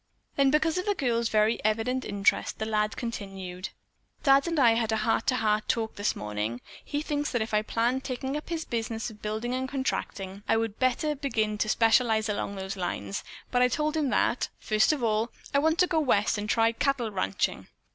Then, because of the girl's very evident interest, the lad continued: "Dad and I had a heart to heart talk this morning. He thinks that if I plan taking up his business of building and contracting, I would better begin to specialize along those lines, but I told him that, first of all, I want to go West and try cattle ranching."